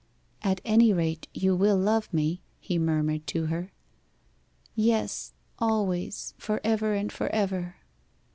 'At any rate you will love me?' he murmured to her. 'Yes always for ever and for ever!